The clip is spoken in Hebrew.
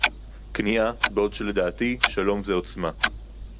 כניעה, בעוד שלדעתי שלום זה עוצמה